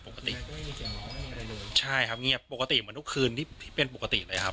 ปกติใช่ครับเงี้ยปกติเหมือนทุกคืนที่ที่เป็นปกติเลยครับ